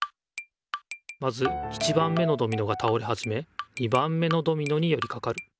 まず１番目のドミノが倒れはじめ２番目のドミノによりかかる。